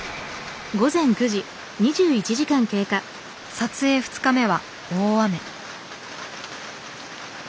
撮影２日目は大雨。